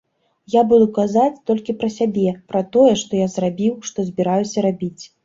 Я буду казаць толькі пра сябе, пра тое, што я зрабіў, што збіраюся рабіць.